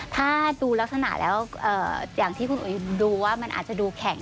ถ้าดูลักษณะแล้วอย่างที่คุณอุ๋ยดูว่ามันอาจจะดูแข็ง